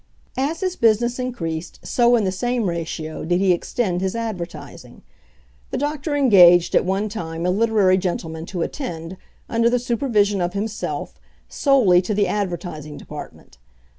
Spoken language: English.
As his business increased, so in the same ratio did he extend his advertising. The doctor engaged at one time a literary gentleman to attend, under the supervision of himself, solely to the advertising department.